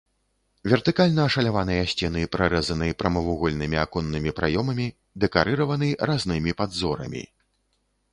Вертыкальна ашаляваныя сцены прарэзаны прамавугольнымі аконнымі праёмамі, дэкарыраваны разнымі падзорамі.